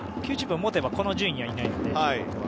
９０分持てばこの順位にはいないので。